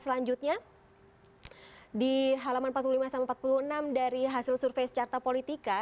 selanjutnya di halaman empat puluh lima empat puluh enam dari hasil survei carta politika